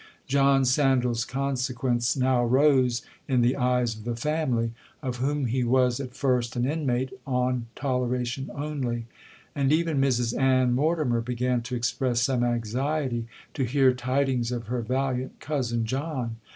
John Sandal's consequence now rose in the eyes of the family, of whom he was at first an inmate on toleration only; and even Mrs Ann Mortimer began to express some anxiety to hear tidings of her valiant cousin John.